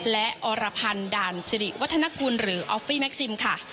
และอรพันธ์ด่านสิริวัฒนกุลหรือออฟฟี่แม็กซิมค่ะ